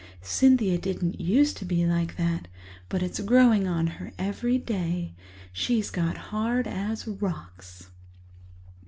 Cynthia didn't used to be like that, but it's growing on her every day. She's got hard as rocks."